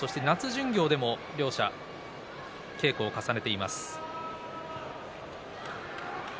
巡業でも両者、稽古を重ねています。